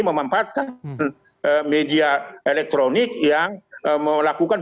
memanfaatkan media elektronik yang melakukan